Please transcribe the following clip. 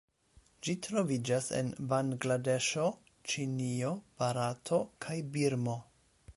Ĝi troviĝas en Bangladeŝo, Ĉinio, Barato, kaj Birmo.